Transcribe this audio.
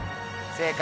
正解！